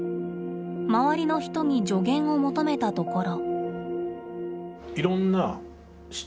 周りの人に助言を求めたところ。